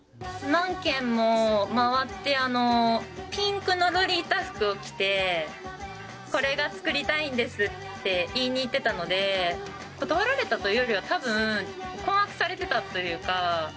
何軒も回って、ピンクのロリータ服を着て、これが作りたいんですって言いにいってたので、断られたというよりは、たぶん、困惑されてたというか。